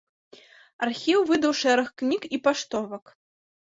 Архіў выдаў шэраг кніг і паштовак.